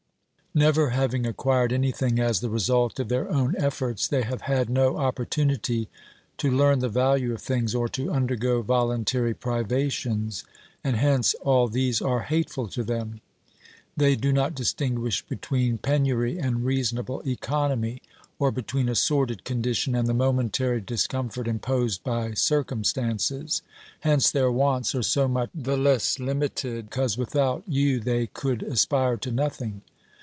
Never having acquired anything as the result of their own efforts, they have had no oppor tunity to learn the value of things or to undergo voluntary privations, and hence all these are hateful to them. They do not distinguish between penury and reasonable economy, or between a sordid condition and the momentary discom fort imposed by circumstances ; hence their wants are so much the less limited, because without you they could aspire to nothing.